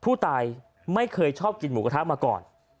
ผู้ตายไม่เคยชอบกินหมูกระทะมาก่อน